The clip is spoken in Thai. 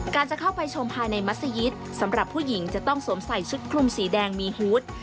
จะเข้าไปชมภายในมัศยิตสำหรับผู้หญิงจะต้องสวมใส่ชุดคลุมสีแดงมีฮูต